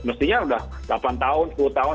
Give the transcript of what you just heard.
mestinya sudah delapan tahun sepuluh tahun